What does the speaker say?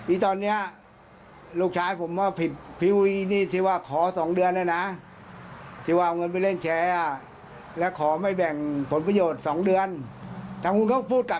อีกตอนนี้ลูกชายผมก็ผิดพิวีที่ว่าขอสองเดือนนะ